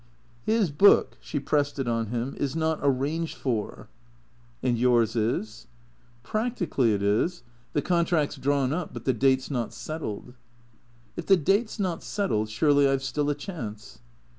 "His book" (she pressed it on him), "is not arranged for." 146 THECEEATOES " And yours is ?"" Practically it is. The contract 's drawn up, but the date 's not settled." " If the date 's not settled, surely I 've still a chance